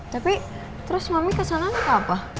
tapi terus mami kesana mau ke apa